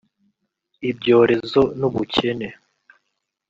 ibyorezo n’ubukene